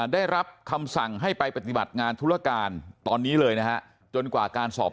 ได้รับคำสั่งให้ไปปฏิบัติงานธุรการตอนนี้เลยนะฮะจนกว่าการสอบ